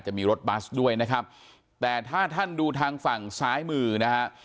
จะมีรถบัสด้วยนะครับแต่ถ้าท่านดูทางฝั่งซ้ายมือนะฮะ